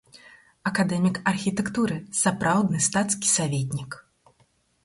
Акадэмік архітэктуры, сапраўдны стацкі саветнік.